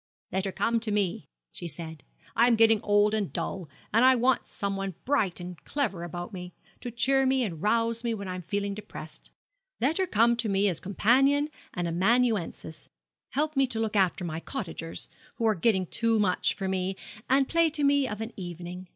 "Let her come to me," she said; "I am getting old and dull, and I want something bright and clever about me, to cheer me and rouse me when I feel depressed. Let her come to me as a companion and amanuensis, help me to look after my cottagers, who are getting too much for me, and play to me of an evening.